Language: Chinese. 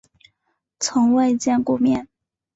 从未见过面